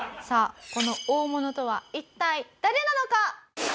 さあこの大物とは一体誰なのか？